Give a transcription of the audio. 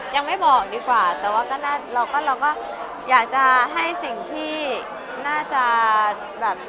ยังไม่บอกดีกว่าแต่ว่าก็เราก็อยากจะให้สิ่งที่น่าจะแบบ